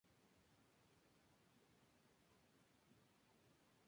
Además, la cabeza se va hacia delante o hacia atrás.